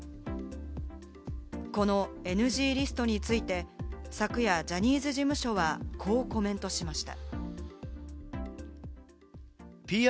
このＮＧリストについて、昨夜、ジャニーズ事務所は、こう、コメントしました。